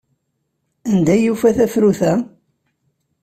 Anda ay yufa tafrut-a?